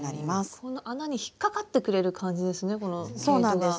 この穴に引っ掛かってくれる感じですね